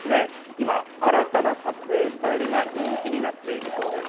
今、新たな撮影スタイルが人気になっているそうです。